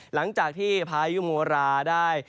หลังจากที่พายุโมราได้